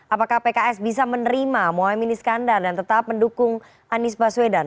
apakah pks bisa menerima mohaimin iskandar dan tetap mendukung anies baswedan